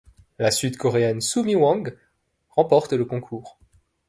La Sud-Coréenne Sumi Hwang remporte le concours.